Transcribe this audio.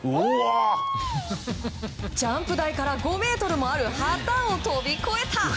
ジャンプ台から５ｍもある旗を飛び越えた！